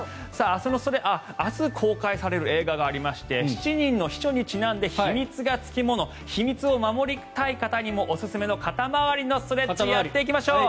明日、公開される映画がありまして「七人の秘書」にちなんで秘密が付き物秘密を守りたい方にもおすすめの肩回りのストレッチやっていきましょう。